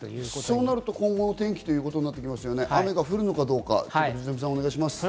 そうなると今後のお天気、雨が降るのかどうか、藤富さん、お願いします。